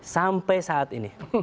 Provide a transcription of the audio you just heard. sampai saat ini